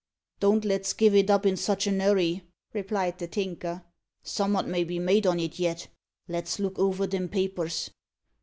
"Don't let's give it up in sich an 'urry," replied the Tinker; "summat may be made on it yet. Let's look over them papers."